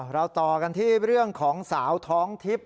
เราต่อกันที่เรื่องของสาวท้องทิพย์